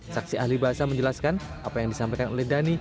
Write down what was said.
saksi ahli bahasa menjelaskan apa yang disampaikan oleh dhani